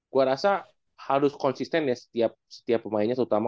gue rasa harus konsisten ya setiap pemainnya terutama